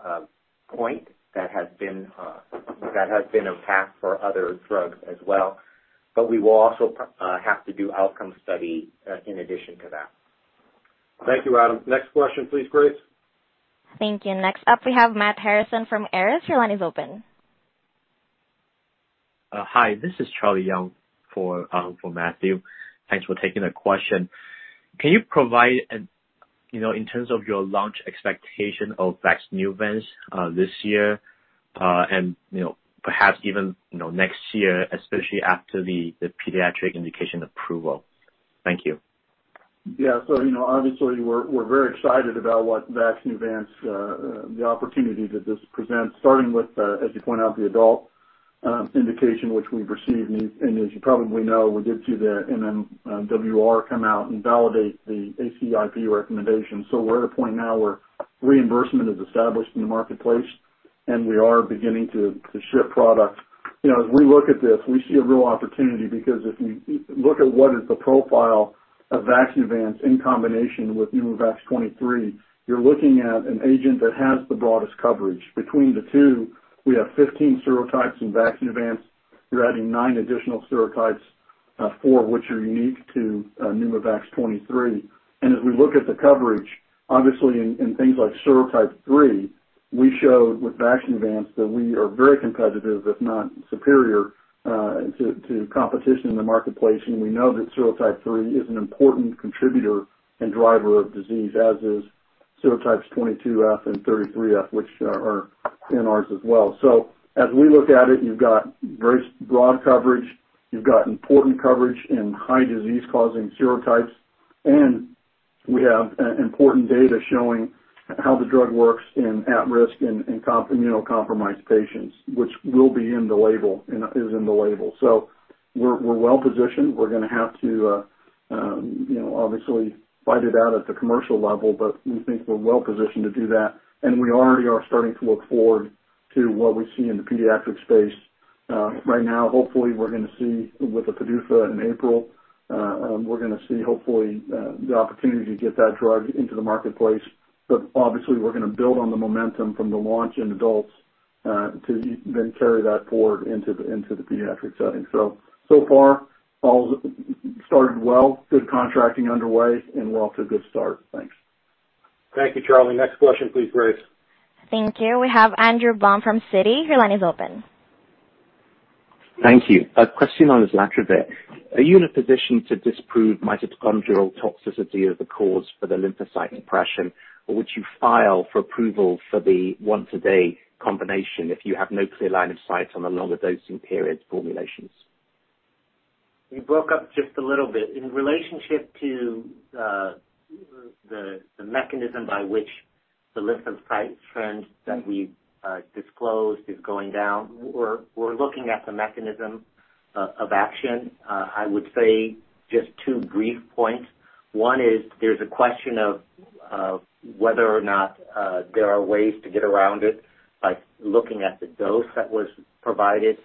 S5: point that has been a path for other drugs as well. We will also have to do outcome study in addition to that.
S3: Thank you, Adam. Next question please, Grace.
S1: Thank you. Next up we have Matt Harrison from Morgan Stanley. Your line is open.
S12: Hi, this is Charlie Yeung for Matthew. Thanks for taking the question. Can you provide, you know, in terms of your launch expectation of VAXNEUVANCE this year and you know, perhaps even next year, especially after the pediatric indication approval? Thank you.
S3: Yeah. You know, obviously we're very excited about what VAXNEUVANCE, the opportunity that this presents, starting with, as you point out, the adult indication which we've received. As you probably know, we did see the MMWR come out and validate the ACIP recommendation. We're at a point now where reimbursement is established in the marketplace, and we are beginning to ship product. You know, as we look at this, we see a real opportunity because if you look at what is the profile of VAXNEUVANCE in combination with PNEUMOVAX 23, you're looking at an agent that has the broadest coverage. Between the two, we have 15 serotypes in VAXNEUVANCE. You're adding nine additional serotypes, four which are unique to PNEUMOVAX 23. As we look at the coverage, obviously in things like serotype 3, we showed with VAXNEUVANCE that we are very competitive, if not superior, to competition in the marketplace. We know that serotype 3 is an important contributor and driver of disease, as is serotypes 22F and 33F, which are in ours as well. As we look at it, you've got very broad coverage. You've got important coverage in high disease causing serotypes, and we have important data showing how the drug works in at-risk and immunocompromised patients, which will be in the label, and is in the label. We're well positioned. We're gonna have to, you know, obviously fight it out at the commercial level, but we think we're well positioned to do that, and we already are starting to look forward to what we see in the pediatric space. Right now hopefully we're gonna see with the PDUFA in April hopefully the opportunity to get that drug into the marketplace. But obviously we're gonna build on the momentum from the launch in adults to then carry that forward into the pediatric setting. So far all's started well, good contracting underway and we're off to a good start. Thanks. Thank you, Charlie. Next question please, Grace.
S1: Thank you. We have Andrew Baum from Citi. Your line is open.
S13: Thank you. A question on islatravir. Are you in a position to disprove mitochondrial toxicity as the cause for the lymphocyte depression, or would you file for approval for the once a day combination if you have no clear line of sight on the longer dosing period formulations?
S5: You broke up just a little bit. In relationship to the mechanism by which the lymphocyte trend that we've disclosed is going down, we're looking at the mechanism of action. I would say just two brief points. One is there's a question of whether or not there are ways to get around it by looking at the dose that was provided.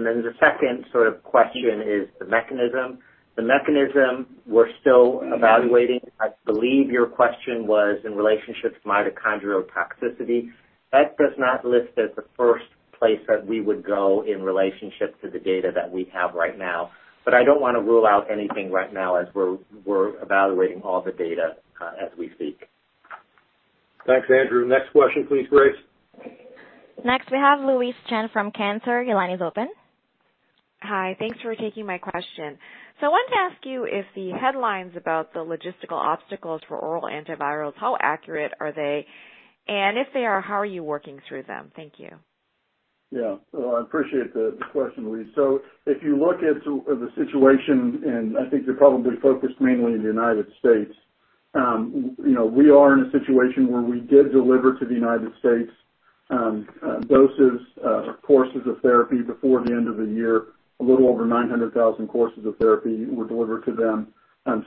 S5: Then the second sort of question is the mechanism. The mechanism we're still evaluating. I believe your question was in relationship to mitochondrial toxicity. That does not list as the first place that we would go in relationship to the data that we have right now, but I don't wanna rule out anything right now as we're evaluating all the data as we speak.
S3: Thanks, Andrew. Next question please, Grace.
S1: Next we have Louise Chen from Cantor. Your line is open.
S14: Hi. Thanks for taking my question. I wanted to ask you if the headlines about the logistical obstacles for oral antivirals, how accurate are they, and if they are, how are you working through them? Thank you.
S3: Yeah. I appreciate the question, Louise. If you look at the situation, and I think you're probably focused mainly in the United States, you know, we are in a situation where we did deliver to the United States doses, courses of therapy before the end of the year. A little over 900,000 courses of therapy were delivered to them.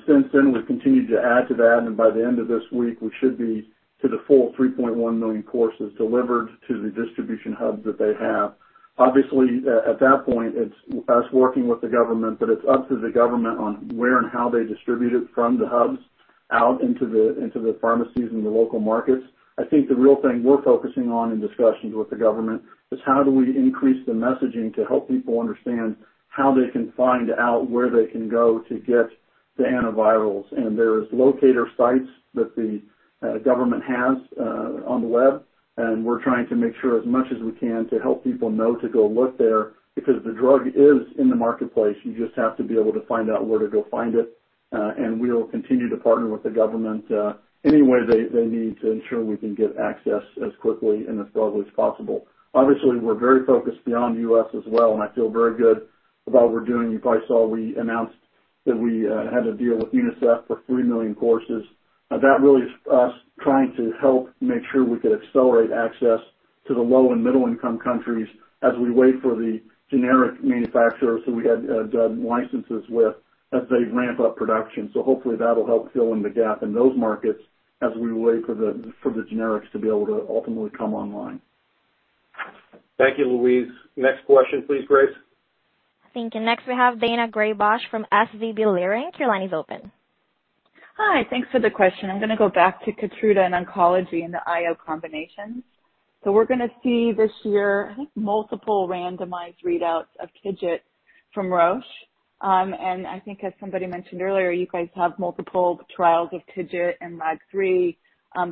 S3: Since then we've continued to add to that, and by the end of this week, we should be to the full 3.1 million courses delivered to the distribution hubs that they have. Obviously, at that point it's us working with the government, but it's up to the government on where and how they distribute it from the hubs out into the pharmacies and the local markets. I think the real thing we're focusing on in discussions with the government is how do we increase the messaging to help people understand how they can find out where they can go to get the antivirals, and there is locator sites that the government has on the web, and we're trying to make sure as much as we can to help people know to go look there because the drug is in the marketplace. You just have to be able to find out where to go find it, and we will continue to partner with the government any way they need to ensure we can get access as quickly and as broadly as possible. Obviously, we're very focused beyond U.S. as well, and I feel very good about what we're doing. You probably saw we announced that we had a deal with UNICEF for 3 million courses. Now, that really is us trying to help make sure we could accelerate access to the low and middle income countries as we wait for the generic manufacturers who we had done licenses with as they ramp up production. Hopefully that'll help fill in the gap in those markets as we wait for the generics to be able to ultimately come online.
S2: Thank you, Louise. Next question, please, Grace.
S1: Thank you. Next we have Daina Graybosch from SVB Leerink. Your line is open.
S15: Hi. Thanks for the question. I'm gonna go back to KEYTRUDA and oncology and the IO combinations. We're gonna see this year, I think, multiple randomized readouts of TIGIT from Roche. And I think as somebody mentioned earlier, you guys have multiple trials of TIGIT and LAG-3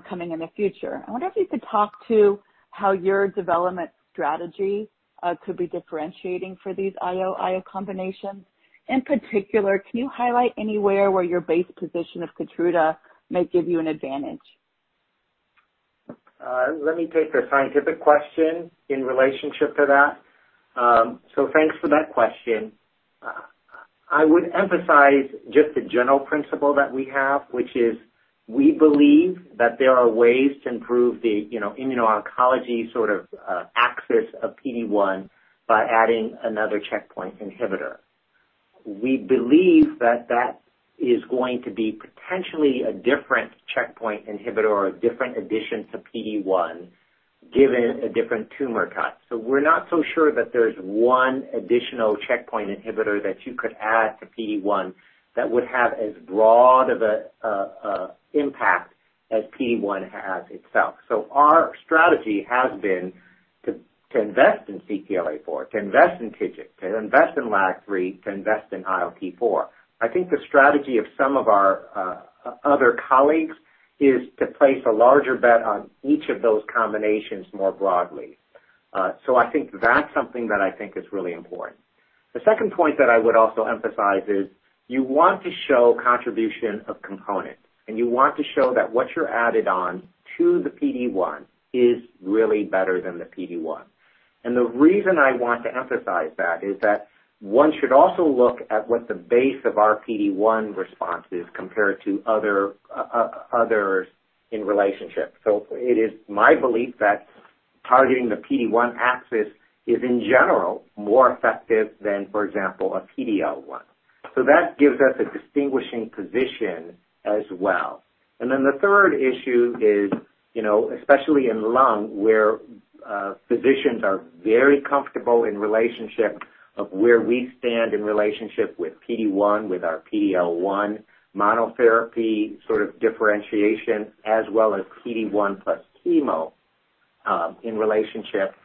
S15: coming in the future. I wonder if you could talk to how your development strategy could be differentiating for these IO/IO combinations. In particular, can you highlight anywhere where your base position of KEYTRUDA might give you an advantage?
S5: Let me take the scientific question in relationship to that. Thanks for that question. I would emphasize just the general principle that we have, which is we believe that there are ways to improve the, you know, immuno-oncology sort of, axis of PD-1 by adding another checkpoint inhibitor. We believe that that is going to be potentially a different checkpoint inhibitor or a different addition to PD-1, given a different tumor type. We're not so sure that there's one additional checkpoint inhibitor that you could add to PD-1 that would have as broad of a impact as PD-1 has itself. Our strategy has been to invest in CTLA-4, to invest in TIGIT, to invest in LAG-3, to invest in ILT4. I think the strategy of some of our other colleagues is to place a larger bet on each of those combinations more broadly. I think that's something that I think is really important. The second point that I would also emphasize is you want to show contribution of component, and you want to show that what you added on to the PD-1 is really better than the PD-1. The reason I want to emphasize that is that one should also look at what the base of our PD-1 response is compared to others in relationship. It is my belief that targeting the PD-1 axis is in general more effective than, for example, a PD-L1. That gives us a distinguishing position as well. The third issue is, you know, especially in lung, where physicians are very comfortable in relationship of where we stand in relationship with PD-1, with our PD-L1 monotherapy sort of differentiation, as well as PD-1 plus chemo, in relationship.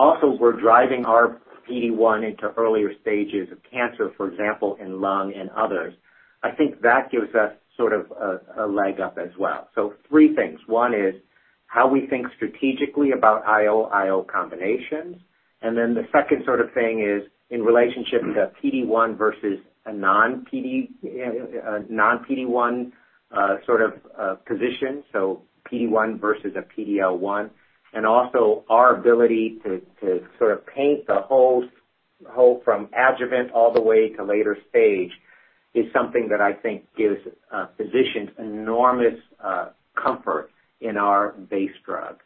S5: Also we're driving our PD-1 into earlier stages of cancer, for example, in lung and others. I think that gives us sort of a leg up as well. Three things. One is how we think strategically about IO/IO combinations, and then the second sort of thing is in relationship to PD-1 versus a non PD non PD-1 sort of position, so PD-1 versus a PD-L1. Our ability to sort of paint the whole from adjuvant all the way to later stage is something that I think gives physicians enormous comfort in our base drug.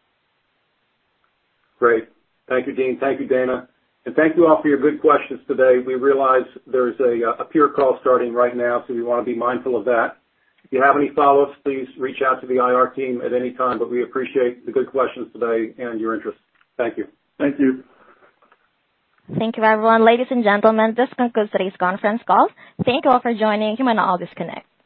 S2: Great. Thank you, Dean. Thank you, Daina, and thank you all for your good questions today. We realize there's a peer call starting right now, so we wanna be mindful of that. If you have any follow-ups, please reach out to the IR team at any time, but we appreciate the good questions today and your interest. Thank you.
S3: Thank you.
S1: Thank you, everyone. Ladies and gentlemen, this concludes today's conference call. Thank you all for joining. You may now disconnect.